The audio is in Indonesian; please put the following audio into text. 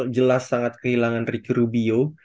jelas sangat kehilangan ricky rubio